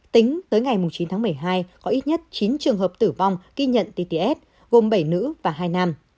tính tới ngày chín tháng một mươi hai có ít nhất chín trường hợp tử vong ghi nhận tts gồm bảy nữ và hai nam